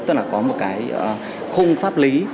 tức là có một cái khung pháp lý